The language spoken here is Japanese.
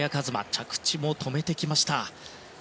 着地も止めてきました。